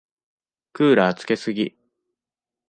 クーラーつけすぎ。